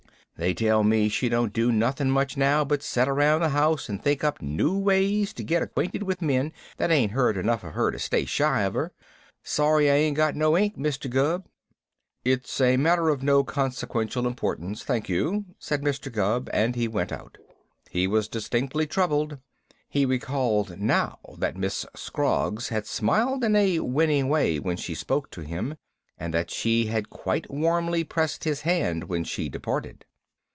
They tell me she don't do nothin' much now but set around the house and think up new ways to git acquainted with men that ain't heard enough of her to stay shy of her. Sorry I ain't got no ink, Mr. Gubb." "It's a matter of no consequential importance, thank you," said Mr. Gubb, and he went out. He was distinctly troubled. He recalled now that Miss Scroggs had smiled in a winning way when she spoke to him, and that she had quite warmly pressed his hand when she departed.